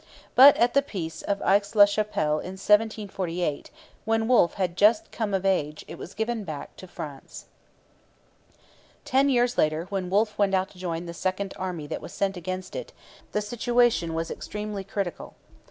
But at the peace of Aix la Chapelle in 1748, when Wolfe had just come of age, it was given back to France. Ten years later, when Wolfe went out to join the second army that was sent against it, the situation was extremely critical.